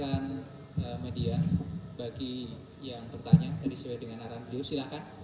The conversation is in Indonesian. untuk rekan rekan media bagi yang bertanya tadi sesuai dengan arahan video silahkan